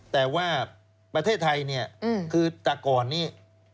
แต่ว่าประเทศไทยเนี่ยคือแต่ก่อนนี้